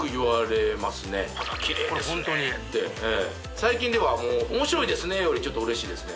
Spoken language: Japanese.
最近では「面白いですね」よりちょっと嬉しいですね